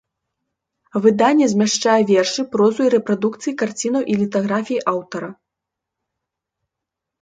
Выданне змяшчае вершы, прозу і рэпрадукцыі карцінаў і літаграфій аўтара.